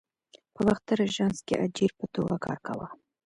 په باختر آژانس کې اجیر په توګه کار کاوه.